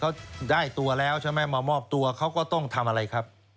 เขาได้ตัวแล้วใช่ไหมมามอบตัวเขาก็ต้องทำอะไรครับ